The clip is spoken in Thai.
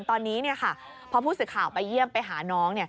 ตอนนี้พอผู้สื่อข่าวไปเยี่ยมไปหาน้อง